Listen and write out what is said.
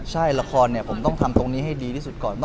ใช่ละครเนี่ยผมต้องทำตรงนี้ให้ดีที่สุดก่อน